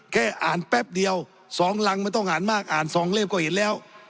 แค่อ่านแป๊บเดียว๒รังไม่ต้องอ่านมากอ่าน๒เล่มก็เห็นแล้ว